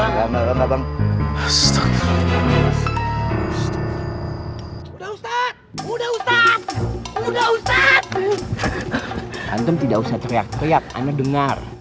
udah ustadz ustadz ustadz ustadz hantum tidak usah teriak teriak anda dengar